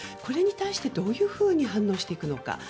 これに対して、どういうふうに話していくのか。